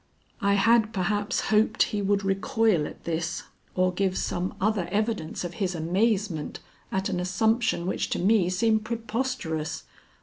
I had perhaps hoped he would recoil at this or give some other evidence of his amazement at an assumption which to me seemed preposterous.